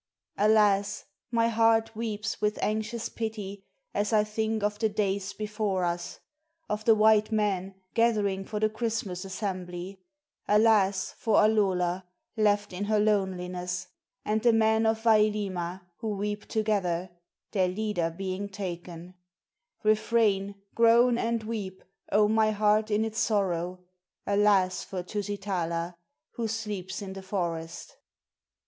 Alas! my heart weeps with anxious pity, As I think of the days before us, Of the white men gathering for the Christmas assembly; Alas! for Alola, left in her loneliness, And the men of Vailima, who weep together, Their leader being taken; Refrain, groan, and weep, oh, my heart in its sorrow! Alas! for Tusitala, who sleeps in the forest.